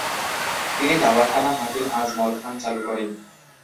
তিনি "দাওয়াখানা হাকিম আজমল খান" চালু করেন।